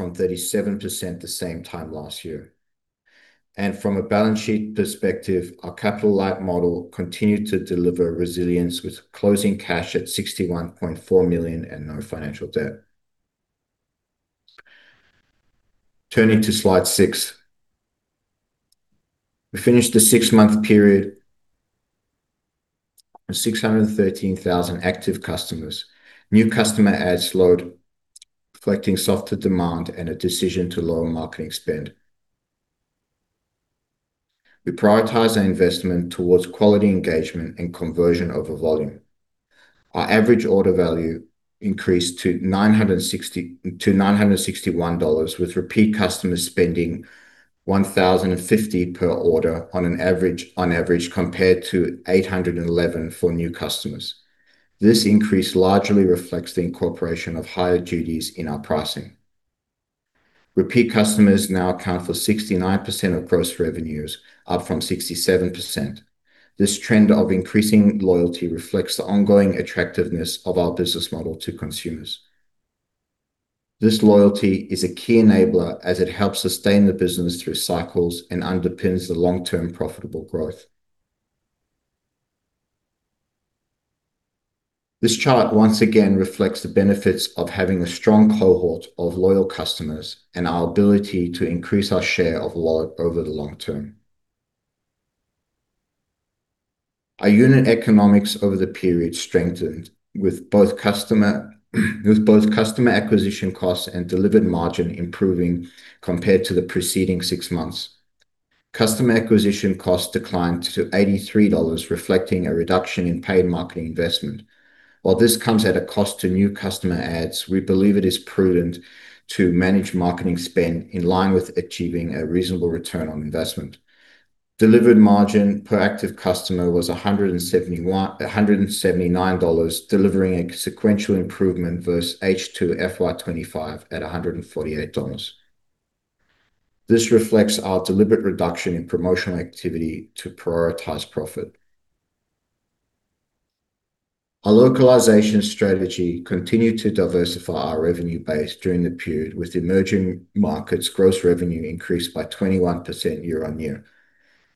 from 37% the same time last year. From a balance sheet perspective, our capital-light model continued to deliver resilience, with closing cash at 61.4 million and no financial debt. Turning to slide 6. We finished the 6-month period with 613,000 active customers. New customer ads slowed, reflecting softer demand and a decision to lower marketing spend. We prioritize our investment towards quality engagement and conversion over volume. Our average order value increased to $961, with repeat customers spending $1,050 per order on average, compared to $811 for new customers. This increase largely reflects the incorporation of higher duties in our pricing. Repeat customers now account for 69% of gross revenues, up from 67%. This trend of increasing loyalty reflects the ongoing attractiveness of our business model to consumers. This loyalty is a key enabler as it helps sustain the business through cycles and underpins the long-term profitable growth. This chart once again reflects the benefits of having a strong cohort of loyal customers and our ability to increase our share of wallet over the long term. Our unit economics over the period strengthened, with both customer acquisition costs and Delivered Margin improving compared to the preceding six months. Customer acquisition costs declined to 83 dollars, reflecting a reduction in paid marketing investment. While this comes at a cost to new customer ads, we believe it is prudent to manage marketing spend in line with achieving a reasonable return on investment. Delivered Margin per active customer was 179 dollars, delivering a sequential improvement versus H2FY25 at 148 dollars. This reflects our deliberate reduction in promotional activity to prioritize profit. Our localization strategy continued to diversify our revenue base during the period, with emerging markets gross revenue increased by 21% year-on-year.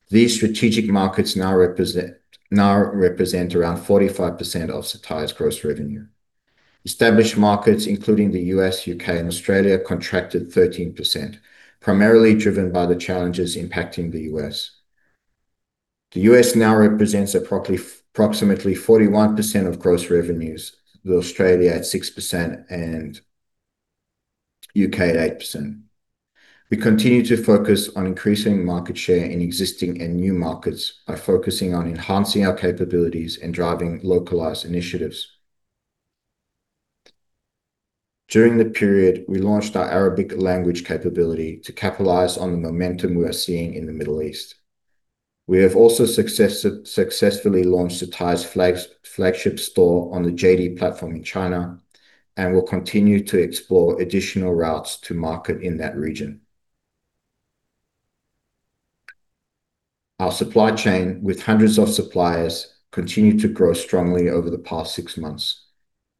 These strategic markets now represent around 45% of Cettire's gross revenue. Established markets, including the US, UK, and Australia, contracted 13%, primarily driven by the challenges impacting the US. The US now represents approximately 41% of gross revenues, with Australia at 6% and UK at 8%. We continue to focus on increasing market share in existing and new markets by focusing on enhancing our capabilities and driving localized initiatives. During the period, we launched our Arabic language capability to capitalize on the momentum we are seeing in the Middle East. We have also successfully launched Cettire's flagship store on the JD.com platform in China. We'll continue to explore additional routes to market in that region. Our supply chain, with hundreds of suppliers, continued to grow strongly over the past six months.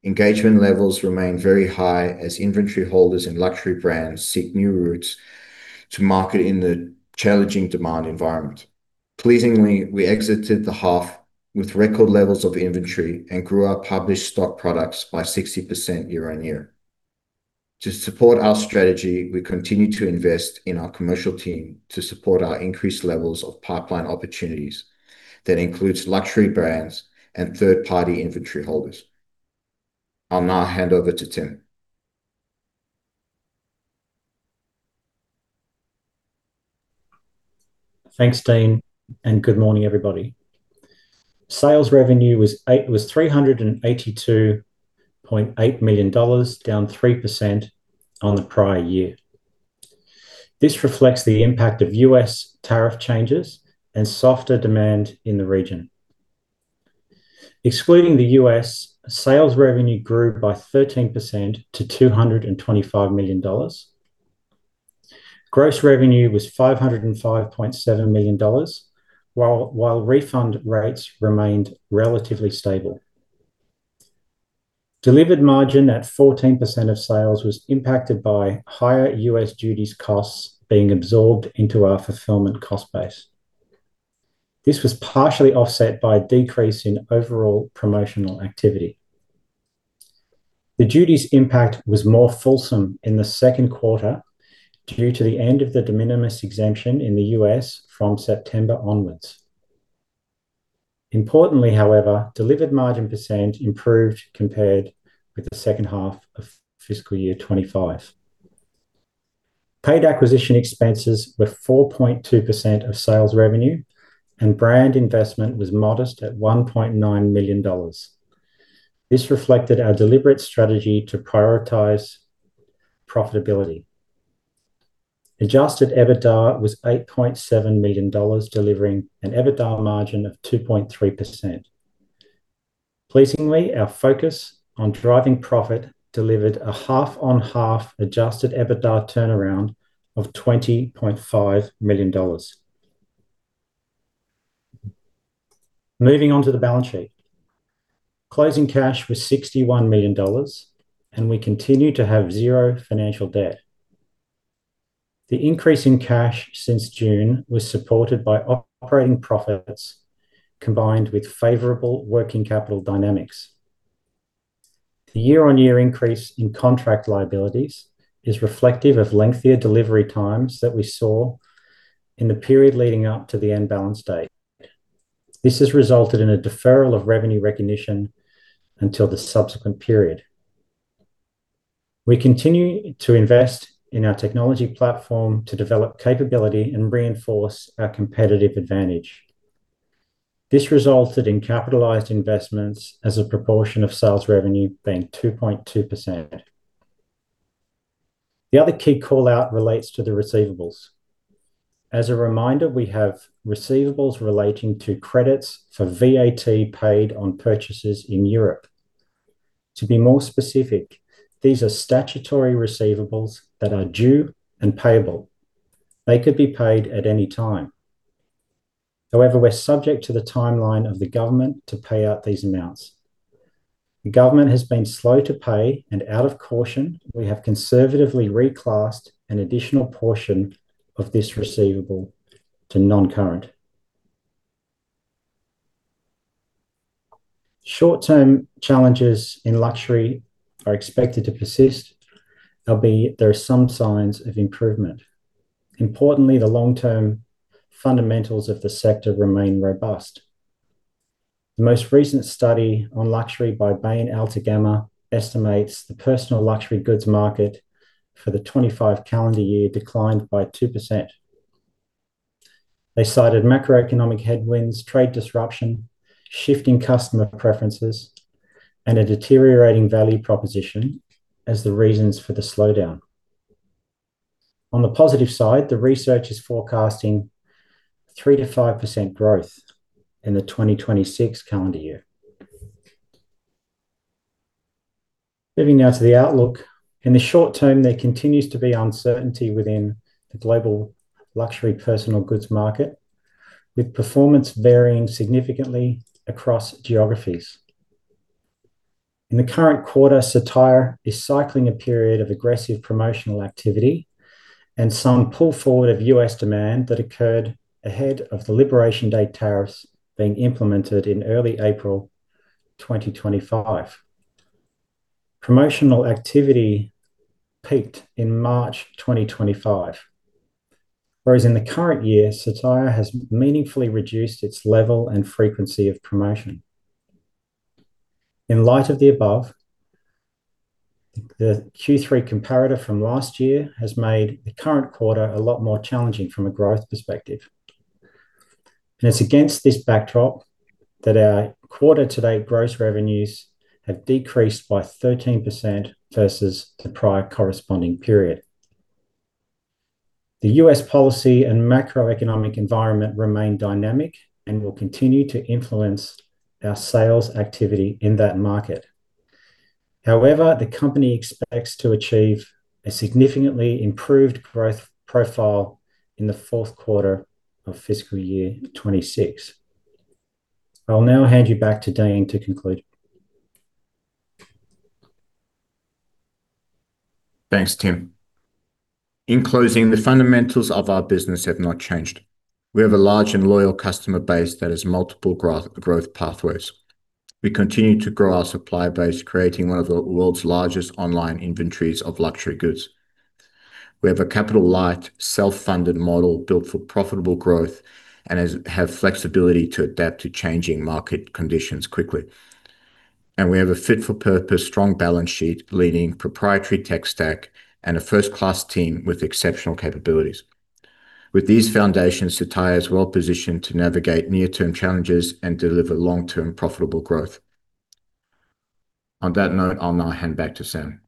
Engagement levels remain very high as inventory holders and luxury brands seek new routes to market in the challenging demand environment. Pleasingly, we exited the half with record levels of inventory and grew our published stock products by 60% year-on-year. To support our strategy, we continue to invest in our commercial team to support our increased levels of pipeline opportunities. That includes luxury brands and third-party inventory holders. I'll now hand over to Tim. Thanks, Dean, good morning, everybody. Sales revenue was 382.8 million dollars, down 3% on the prior year. This reflects the impact of US tariff changes and softer demand in the region. Excluding the US, sales revenue grew by 13% to 225 million dollars. Gross revenue was 505.7 million dollars, while refund rates remained relatively stable. Delivered Margin at 14% of sales was impacted by higher US duties costs being absorbed into our fulfillment cost base. This was partially offset by a decrease in overall promotional activity. The duties impact was more fulsome in the second quarter due to the end of the de minimis exemption in the US from September onwards. Importantly, however, Delivered Margin percent improved compared with the second half of fiscal year 2025. Paid acquisition expenses were 4.2% of sales revenue, and brand investment was modest at 1.9 million dollars. This reflected our deliberate strategy to prioritize profitability. Adjusted EBITDA was 8.7 million dollars, delivering an EBITDA margin of 2.3%. Pleasingly, our focus on driving profit delivered a half-on-half adjusted EBITDA turnaround of 20.5 million dollars. Moving on to the balance sheet. Closing cash was 61 million dollars, and we continue to have zero financial debt. The increase in cash since June was supported by operating profits, combined with favorable working capital dynamics. The year-on-year increase in contract liabilities is reflective of lengthier delivery times that we saw in the period leading up to the end balance date. This has resulted in a deferral of revenue recognition until the subsequent period. We continue to invest in our technology platform to develop capability and reinforce our competitive advantage. This resulted in capitalized investments as a proportion of sales revenue being 2.2%. The other key call-out relates to the receivables. As a reminder, we have receivables relating to credits for VAT paid on purchases in Europe. To be more specific, these are statutory receivables that are due and payable. They could be paid at any time. We're subject to the timeline of the government to pay out these amounts. The government has been slow to pay. Out of caution, we have conservatively reclassed an additional portion of this receivable to non-current. Short-term challenges in luxury are expected to persist, there are some signs of improvement. Importantly, the long-term fundamentals of the sector remain robust. The most recent study on luxury by Bain & Altagamma estimates the personal luxury goods market for the 25 calendar year declined by 2%. They cited macroeconomic headwinds, trade disruption, shifting customer preferences, and a deteriorating value proposition as the reasons for the slowdown. On the positive side, the research is forecasting 3%-5% growth in the 2026 calendar year. Moving now to the outlook. In the short term, there continues to be uncertainty within the global luxury personal goods market, with performance varying significantly across geographies. In the current quarter, Cettire is cycling a period of aggressive promotional activity and some pull forward of US demand that occurred ahead of the Liberation Day tariffs being implemented in early April 2025. Promotional activity peaked in March 2025, whereas in the current year, Cettire has meaningfully reduced its level and frequency of promotion. In light of the above, the Q3 comparator from last year has made the current quarter a lot more challenging from a growth perspective. It's against this backdrop that our quarter-to-date gross revenues have decreased by 13% versus the prior corresponding period. The U.S. policy and macroeconomic environment remain dynamic and will continue to influence our sales activity in that market. However, the company expects to achieve a significantly improved growth profile in the fourth quarter of fiscal year 2026. I'll now hand you back to Dean to conclude. Thanks, Tim. In closing, the fundamentals of our business have not changed. We have a large and loyal customer base that has multiple growth pathways. We continue to grow our supplier base, creating one of the world's largest online inventories of luxury goods. We have a capital-light, self-funded model built for profitable growth and have flexibility to adapt to changing market conditions quickly. We have a fit-for-purpose, strong balance sheet, leading proprietary tech stack, and a first-class team with exceptional capabilities. With these foundations, Cettire is well positioned to navigate near-term challenges and deliver long-term profitable growth. On that note, I'll now hand back to Sam.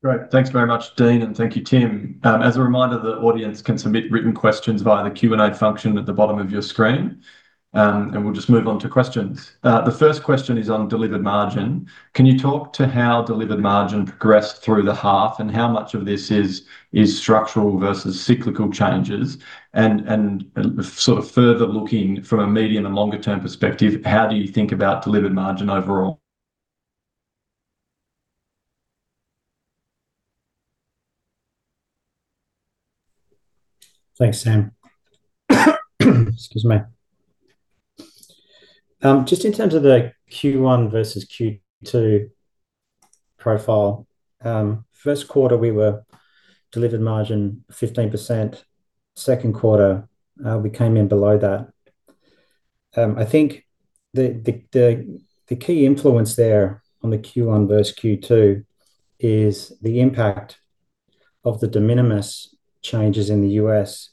Great. Thanks very much, Dean, and thank you, Tim. As a reminder, the audience can submit written questions via the Q&A function at the bottom of your screen. We'll just move on to questions. The first question is on Delivered Margin. Can you talk to how Delivered Margin progressed through the half, and how much of this is structural versus cyclical changes? Sort of further looking from a medium- and longer-term perspective, how do you think about Delivered Margin overall? Thanks, Sam. Excuse me. Just in terms of the Q1 versus Q2 profile, first quarter, we were Delivered Margin 15%; second quarter, we came in below that. I think the key influence there on the Q1 versus Q2 is the impact of the de minimis changes in the US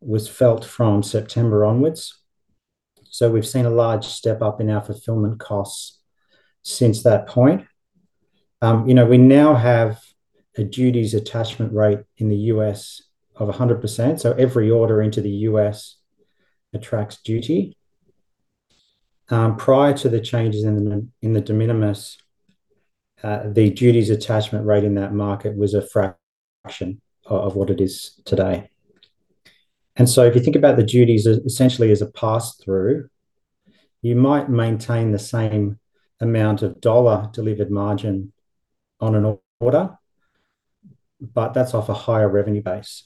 was felt from September onwards, we've seen a large step-up in our fulfillment costs since that point. You know, we now have a duties attachment rate in the US of 100%, every order into the US attracts duty. Prior to the changes in the de minimis, the duties attachment rate in that market was a fraction of what it is today. If you think about the duties as essentially as a pass-through, you might maintain the same amount of dollar Delivered Margin on an order, but that's off a higher revenue base,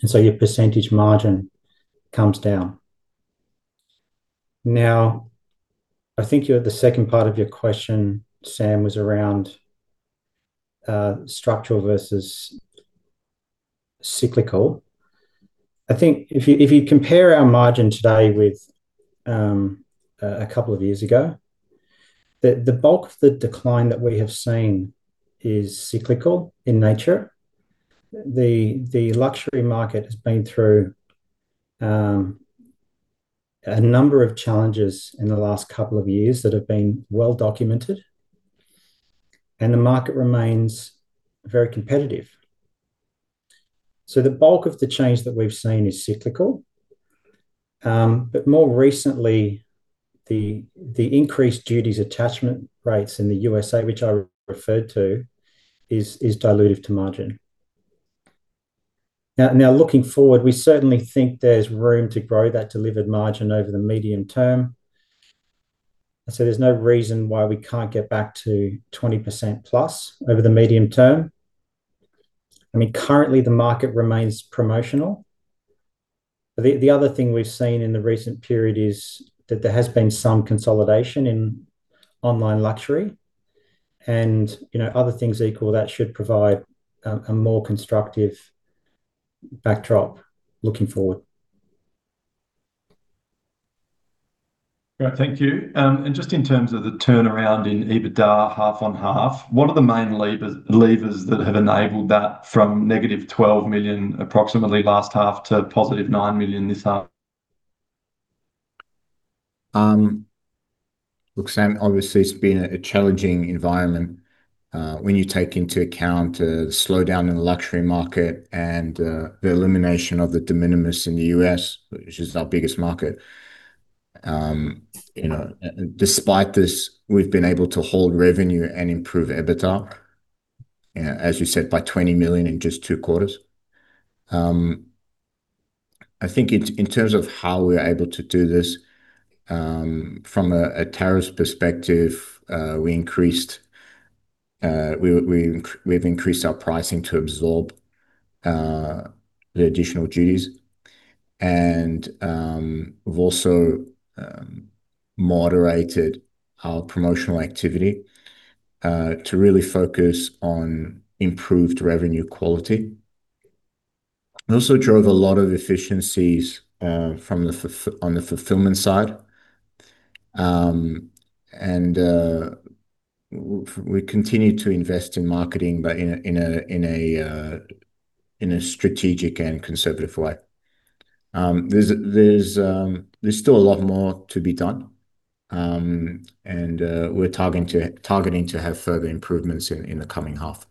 and so your percentage margin comes down. I think you, at the second part of your question, Sam, was around structural versus cyclical. I think if you compare our margin today with a couple of years ago, the bulk of the decline that we have seen is cyclical in nature. The luxury market has been through a number of challenges in the last couple of years that have been well documented, and the market remains very competitive. The bulk of the change that we've seen is cyclical. More recently, the increased duties attachment rates in the USA, which I referred to, is dilutive to margin. Looking forward, we certainly think there's room to grow that Delivered Margin over the medium term. I say there's no reason why we can't get back to 20%+ over the medium term. I mean, currently, the market remains promotional. The other thing we've seen in the recent period is that there has been some consolidation in online luxury, and, you know, other things equal, that should provide a more constructive backdrop looking forward. Great, thank you. Just in terms of the turnaround in EBITDA half on half, what are the main levers that have enabled that from negative 12 million, approximately last half to positive 9 million this half? Look, Sam, obviously, it's been a challenging environment, when you take into account the slowdown in the luxury market and the elimination of the de minimis in the US, which is our biggest market. You know, despite this, we've been able to hold revenue and improve EBITDA, as you said, by $20 million in just 2 quarters. I think in terms of how we're able to do this, from a tariff perspective, we've increased our pricing to absorb the additional duties. We've also moderated our promotional activity to really focus on improved revenue quality. We also drove a lot of efficiencies from the fulfillment side. We continued to invest in marketing, but in a strategic and conservative way. There's still a lot more to be done. We're targeting to have further improvements in the coming half.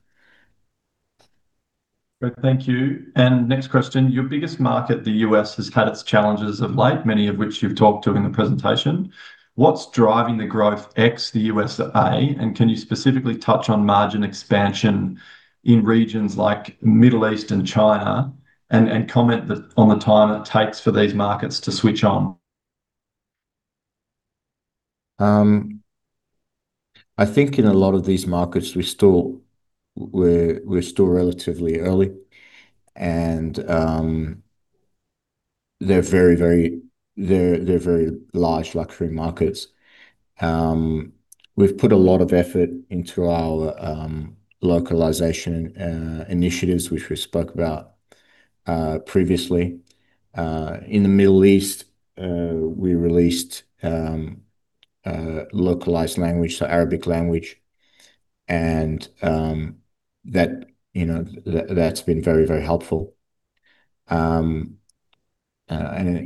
Great, thank you. Next question: Your biggest market, the US, has had its challenges of late, many of which you've talked to in the presentation. What's driving the growth ex the USA, and can you specifically touch on margin expansion in regions like Middle East and China, and comment on the time it takes for these markets to switch on? I think in a lot of these markets, we're still relatively early, and they're very, very large luxury markets. We've put a lot of effort into our localization initiatives, which we spoke about previously. In the Middle East, we released localized language, so Arabic language, and that, you know, that's been very, very helpful.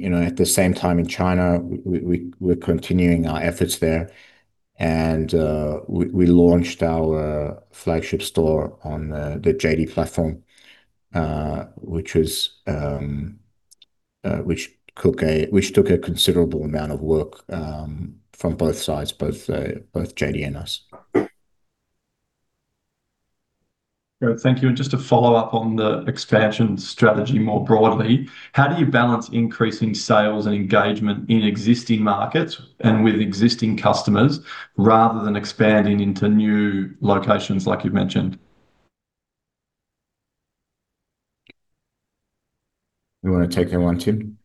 You know, at the same time, in China, we're continuing our efforts there, and we launched our flagship store on the JD.com platform, which took a considerable amount of work from both sides, both JD and us. Great, thank you. Just to follow up on the expansion strategy more broadly, how do you balance increasing sales and engagement in existing markets and with existing customers rather than expanding into new locations like you've mentioned? You want to take that one, Tim?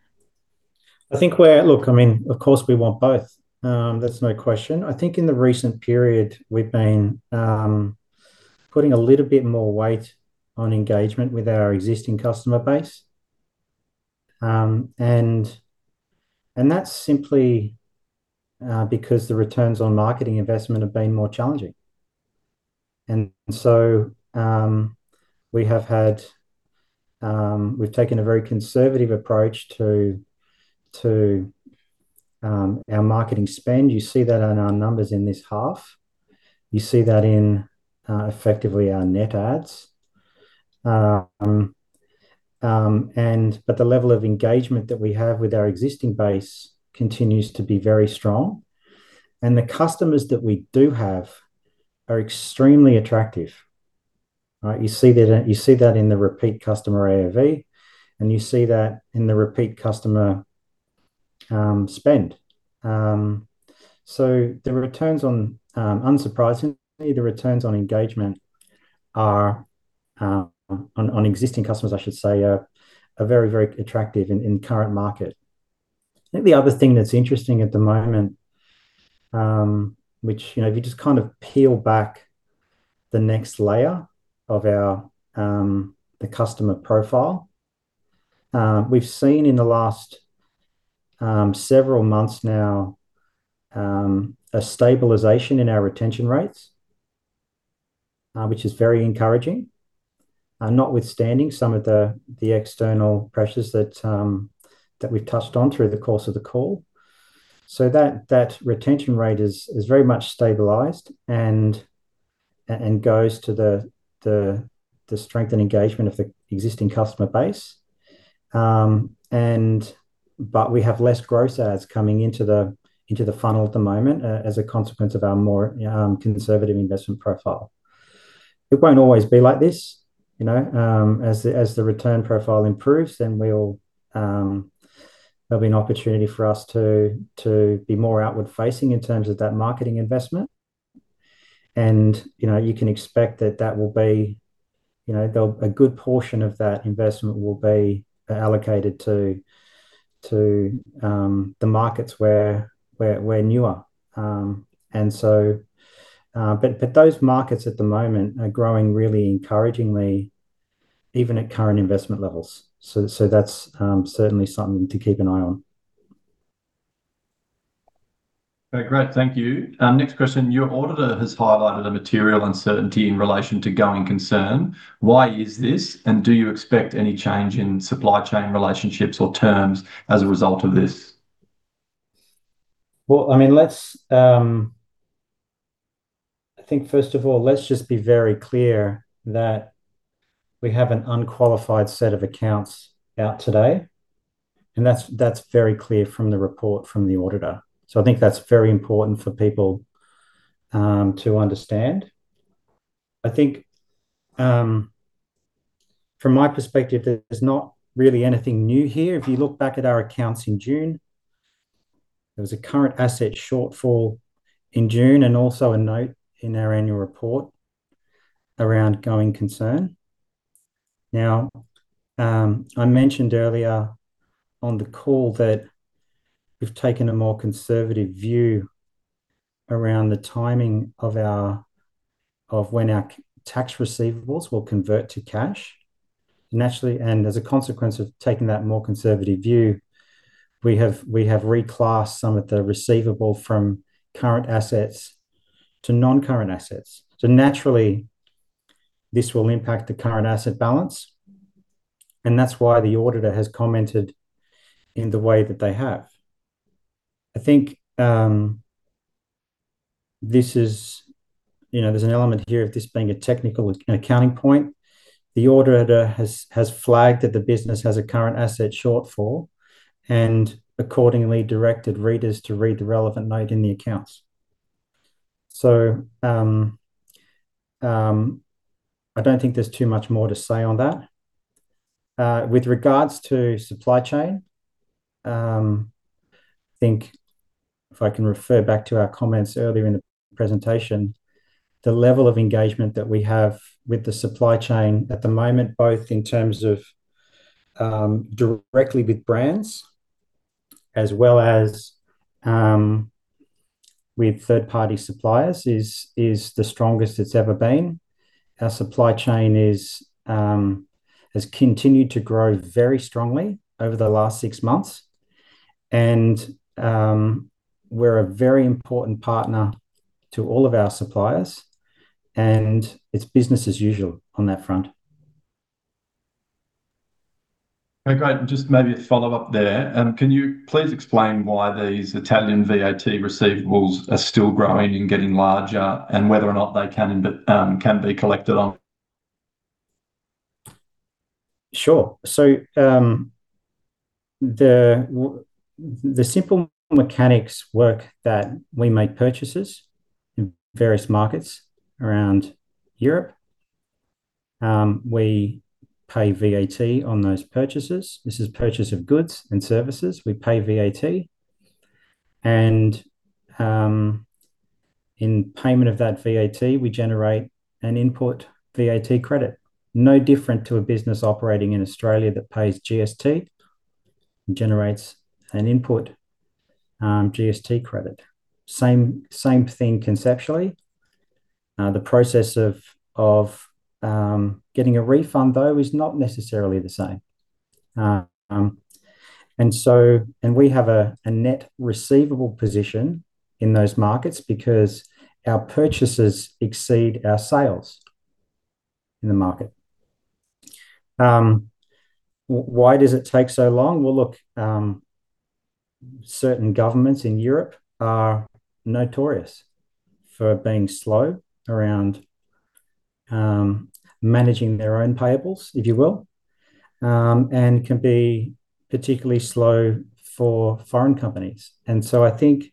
I think Look, I mean, of course, we want both, there's no question. I think in the recent period, we've been putting a little bit more weight on engagement with our existing customer base. That's simply because the returns on marketing investment have been more challenging. We have had We've taken a very conservative approach to our marketing spend. You see that on our numbers in this half. You see that in effectively our net ads. The level of engagement that we have with our existing base continues to be very strong, and the customers that we do have are extremely attractive, right? You see that in the repeat customer AOV, and you see that in the repeat customer spend. The returns on, unsurprisingly, the returns on engagement are on existing customers, I should say, are very attractive in the current market. I think the other thing that's interesting at the moment, which, you know, if you just kind of peel back the next layer of our the customer profile, we've seen in the last several months now, a stabilization in our retention rates, which is very encouraging. Notwithstanding some of the external pressures that we've touched on through the course of the call. That retention rate is very much stabilized and goes to the strength and engagement of the existing customer base. We have less gross adds coming into the funnel at the moment as a consequence of our more conservative investment profile. It won't always be like this, you know, as the return profile improves, then we'll there'll be an opportunity for us to be more outward-facing in terms of that marketing investment. You know, you can expect that that will be, you know, a good portion of that investment will be allocated to the markets where newer. Those markets at the moment are growing really encouragingly, even at current investment levels. That's certainly something to keep an eye on. Okay, great. Thank you. Next question. Your auditor has highlighted a material uncertainty in relation to going concern. Why is this? Do you expect any change in supply chain relationships or terms as a result of this? Let's just be very clear that we have an unqualified set of accounts out today. That's very clear from the report from the auditor. I think that's very important for people to understand. From my perspective, there's not really anything new here. If you look back at our accounts in June, there was a current asset shortfall in June, and also a note in our annual report around going concern. I mentioned earlier on the call that we've taken a more conservative view around the timing of our, of when our tax receivables will convert to cash. As a consequence of taking that more conservative view, we have reclassed some of the receivable from current assets to non-current assets. Naturally, this will impact the current asset balance, and that's why the auditor has commented in the way that they have. I think, this is, you know, there's an element here of this being a technical accounting point. The auditor has flagged that the business has a current asset shortfall, and accordingly, directed readers to read the relevant note in the accounts. I don't think there's too much more to say on that. With regards to supply chain, I think if I can refer back to our comments earlier in the presentation, the level of engagement that we have with the supply chain at the moment, both in terms of, directly with brands as well as, with third-party suppliers, is the strongest it's ever been. Our supply chain has continued to grow very strongly over the last six months, and we're a very important partner to all of our suppliers, and it's business as usual on that front. Okay, great. Just maybe a follow-up there. Can you please explain why these Italian VAT receivables are still growing and getting larger, and whether or not they can be collected on? Sure. The simple mechanics work that we make purchases in various markets around Europe. We pay VAT on those purchases. This is purchase of goods and services, we pay VAT. In payment of that VAT, we generate an input VAT credit. No different to a business operating in Australia that pays GST and generates an input GST credit. Same thing conceptually. The process of getting a refund, though, is not necessarily the same. We have a net receivable position in those markets because our purchases exceed our sales in the market. Why does it take so long? Look, certain governments in Europe are notorious for being slow around managing their own payables, if you will, and can be particularly slow for foreign companies. I think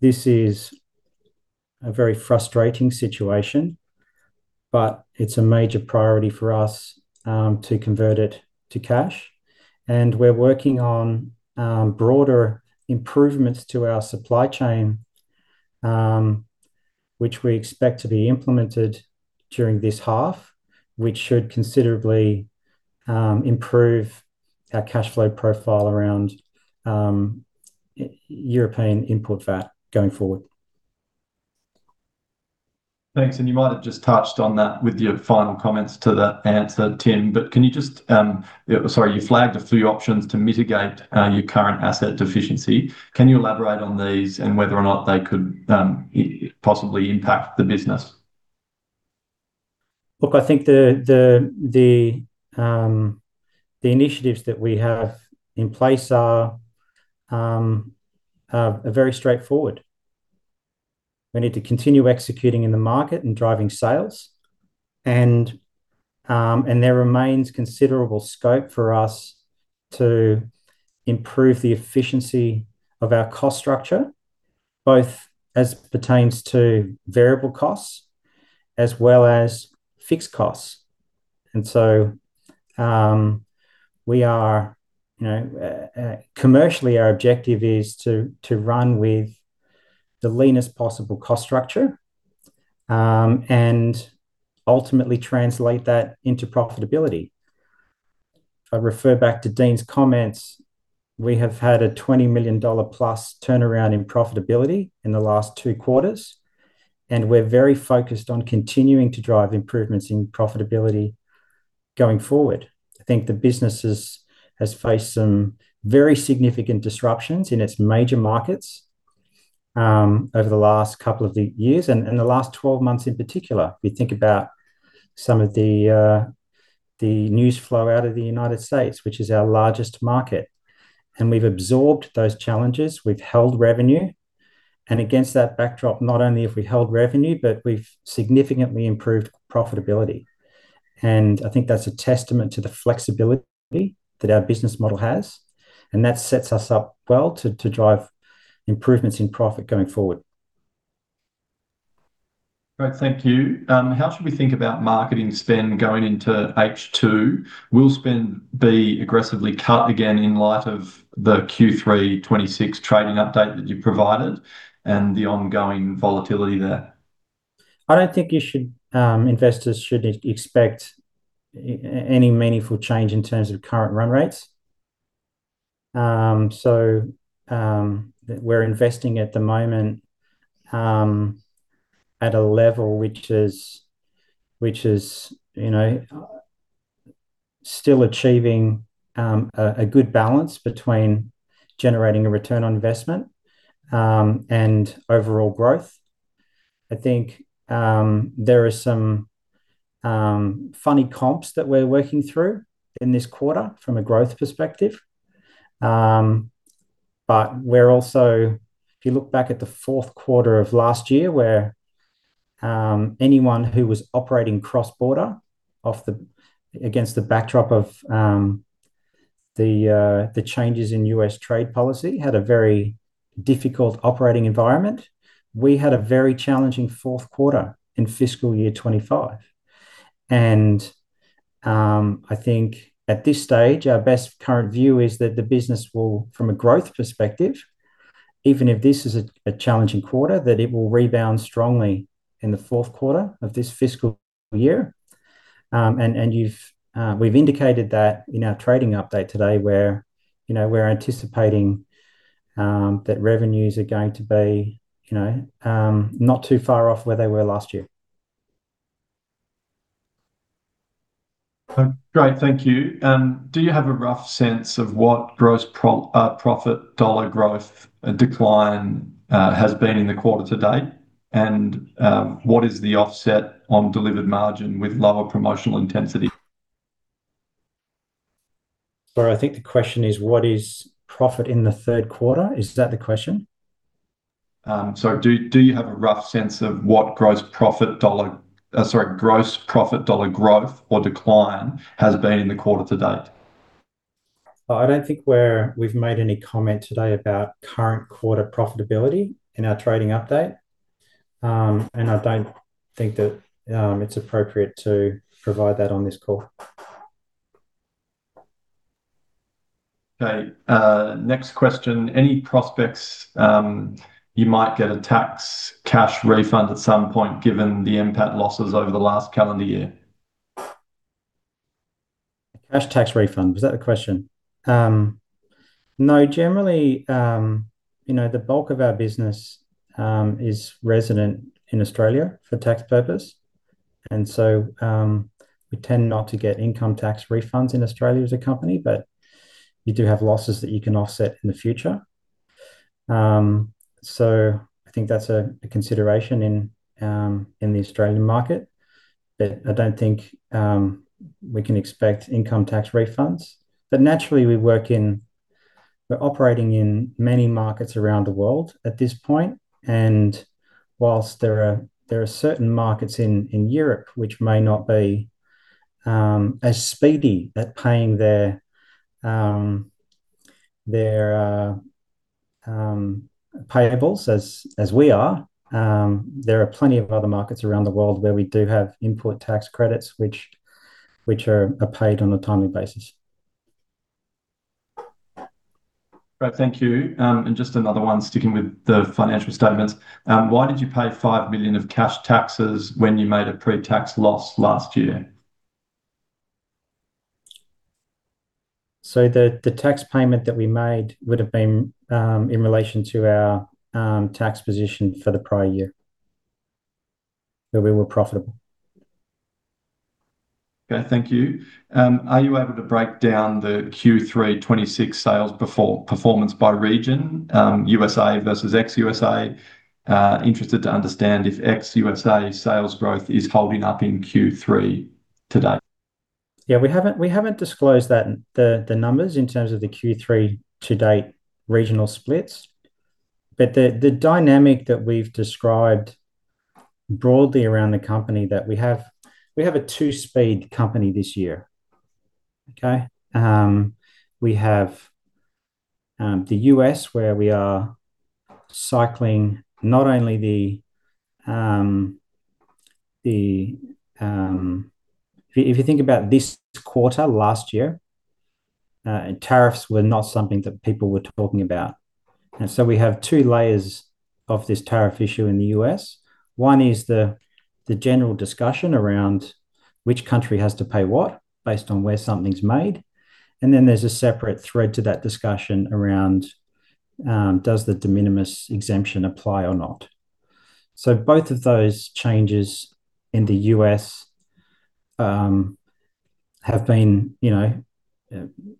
this is a very frustrating situation, but it's a major priority for us to convert it to cash. We're working on broader improvements to our supply chain, which we expect to be implemented during this half, which should considerably improve our cash flow profile around European input VAT going forward. Thanks. You might have just touched on that with your final comments to that answer, Tim, but can you just, sorry, you flagged a few options to mitigate your current asset deficiency. Can you elaborate on these and whether or not they could possibly impact the business? Look, I think the initiatives that we have in place are very straightforward. We need to continue executing in the market and driving sales, there remains considerable scope for us to improve the efficiency of our cost structure, both as pertains to variable costs as well as fixed costs. We are, you know, commercially, our objective is to run with the leanest possible cost structure, and ultimately translate that into profitability. If I refer back to Dean's comments, we have had a 20 million dollar plus turnaround in profitability in the last two quarters, we're very focused on continuing to drive improvements in profitability going forward. I think the business has faced some very significant disruptions in its major markets over the last couple of years and the last 12 months in particular. We think about some of the news flow out of the United States, which is our largest market, and we've absorbed those challenges, we've held revenue. Against that backdrop, not only have we held revenue, but we've significantly improved profitability, and I think that's a testament to the flexibility that our business model has, and that sets us up well to drive improvements in profit going forward. Great. Thank you. How should we think about marketing spend going into H2? Will spend be aggressively cut again in light of the Q3 '26 trading update that you provided and the ongoing volatility there? I don't think you should, investors should expect any meaningful change in terms of current run rates. We're investing at the moment, at a level which is, which is, you know, still achieving a good balance between generating a return on investment, and overall growth. I think, there are some funny comps that we're working through in this quarter from a growth perspective. If you look back at the fourth quarter of last year, where anyone who was operating cross-border off the, against the backdrop of, the changes in US trade policy, had a very difficult operating environment. We had a very challenging fourth quarter in fiscal year 2025. I think at this stage, our best current view is that the business will, from a growth perspective, even if this is a challenging quarter, that it will rebound strongly in the fourth quarter of this fiscal year. You've, we've indicated that in our trading update today, where, you know, we're anticipating that revenues are going to be, you know, not too far off where they were last year. Great. Thank you. Do you have a rough sense of what gross profit, dollar growth and decline has been in the quarter to date? What is the offset on Delivered Margin with lower promotional intensity? Sorry, I think the question is, what is profit in the third quarter? Is that the question? Do you have a rough sense of what gross profit dollar, sorry, gross profit dollar growth or decline has been in the quarter to date? I don't think we've made any comment today about current quarter profitability in our trading update. I don't think that it's appropriate to provide that on this call. Next question: Any prospects, you might get a tax cash refund at some point, given the NPAT losses over the last calendar year? Cash tax refund, was that the question? No. Generally, you know, the bulk of our business is resident in Australia for tax purposes, we tend not to get income tax refunds in Australia as a company, but you do have losses that you can offset in the future. I think that's a consideration in the Australian market, but I don't think we can expect income tax refunds. Naturally, we're operating in many markets around the world at this point, and whilst there are certain markets in Europe which may not be as speedy at paying their payables as we are, there are plenty of other markets around the world where we do have input tax credits, which are paid on a timely basis. Great, thank you. Just another one, sticking with the financial statements. Why did you pay 5 million of cash taxes when you made a pre-tax loss last year? The tax payment that we made would have been in relation to our tax position for the prior year, where we were profitable. Okay, thank you. Are you able to break down the Q3 '26 sales performance by region, USA versus ex-USA? Interested to understand if ex-USA sales growth is holding up in Q3 to date. Yeah, we haven't disclosed that, the numbers in terms of the Q3 to date regional splits. The dynamic that we've described broadly around the company that we have. We have a two-speed company this year, okay? We have the US where we are cycling not only the. If you think about this quarter last year, tariffs were not something that people were talking about. We have two layers of this tariff issue in the US. One is the general discussion around which country has to pay what based on where something's made, then there's a separate thread to that discussion around does the de minimis exemption apply or not? Both of those changes in the US have been, you know,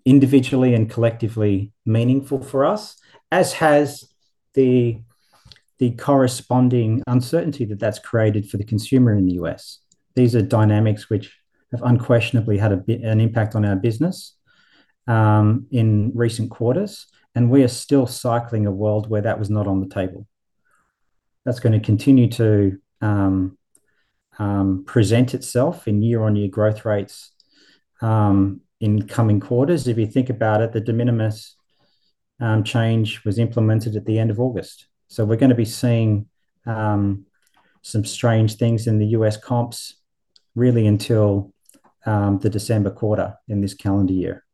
individually and collectively meaningful for us, as has the corresponding uncertainty that that's created for the consumer in the US. These are dynamics which have unquestionably had an impact on our business in recent quarters, and we are still cycling a world where that was not on the table. That's going to continue to present itself in year-on-year growth rates in coming quarters. If you think about it, the de minimis change was implemented at the end of August, so we're going to be seeing some strange things in the US comps really until the December quarter in this calendar year.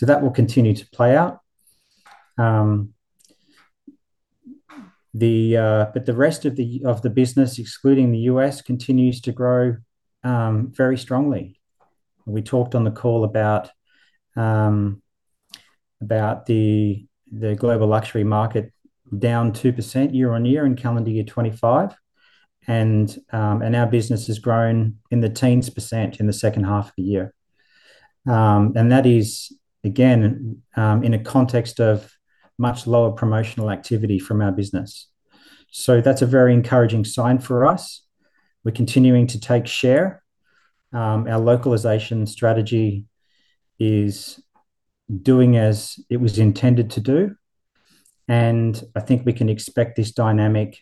That will continue to play out. The rest of the business, excluding the US, continues to grow very strongly. We talked on the call about the global luxury market down 2% year-over-year in calendar year 2025, and our business has grown in the teens% in the second half of the year. That is, again, in a context of much lower promotional activity from our business. That's a very encouraging sign for us. We're continuing to take share. Our localization strategy is doing as it was intended to do, and I think we can expect this dynamic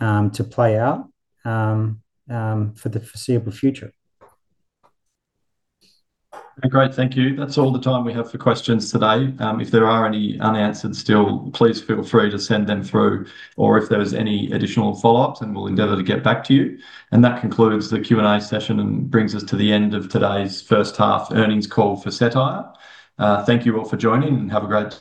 to play out for the foreseeable future. Great. Thank you. That's all the time we have for questions today. If there are any unanswered still, please feel free to send them through, or if there's any additional follow-ups, and we'll endeavor to get back to you. That concludes the Q&A session and brings us to the end of today's first half earnings call for Cettire. Thank you all for joining and have a great day.